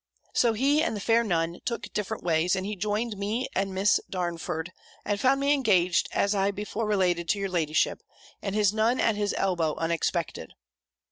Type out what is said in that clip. So he and the fair Nun took different ways, and he joined me and Miss Darnford, and found me engaged as I before related to your ladyship, and his Nun at his elbow unexpected.